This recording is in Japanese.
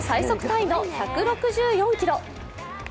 タイの１６４キロ。